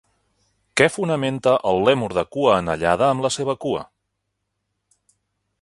Què fonamenta el lèmur de cua anellada amb la seva cua?